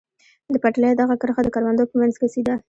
د پټلۍ دغه کرښه د کروندو په منځ کې سیده.